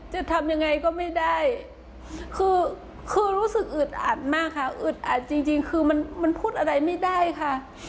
จะทำยังไงก็ไม่ได้คือคือรู้สึกอึดอัดมากค่ะอึดอัดจริงคือมันมันพูดอะไรไม่ได้ค่ะ